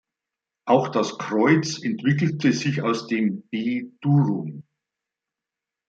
Auch das Kreuz entwickelte sich aus dem "b durum".